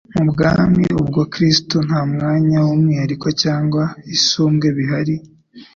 Mu bwami bwa Kristo nta mwanya w'umwihariko cyangwa isumbwe bihari.